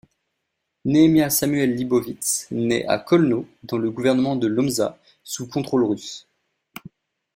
Nehemiah Samuel Libowitz naît à Kolno, dans le gouvernement de Łomża, sous contrôle russe.